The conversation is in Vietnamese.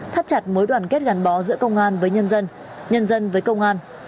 thắt chặt mối đoàn kết gắn bó giữa công an với nhân dân nhân dân với công an